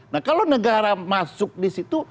nah kalau negara masuk disitu